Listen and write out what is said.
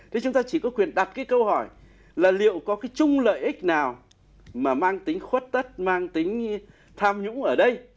thì chúng ta chỉ có quyền đặt cái câu hỏi là liệu có cái chung lợi ích nào mà mang tính khuất tất mang tính tham nhũng ở đây